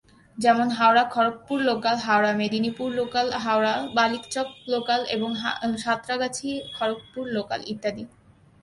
যেমন- হাওড়া-খড়গপুর local, Howrah-Medinipur local, হাওড়া-বালিচক local এবং সাঁতরাগাছি-খড়গপুর local ইত্যাদি।